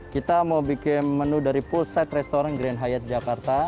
kita mau bikin menu dari full set restoran grand hyatt jakarta